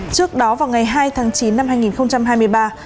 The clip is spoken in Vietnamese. trước đó vào ngày hai tháng chín năm hai nghìn hai mươi ba